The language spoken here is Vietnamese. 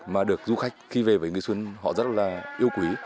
mà được du khách khi về với nghi xuân họ rất là yêu quý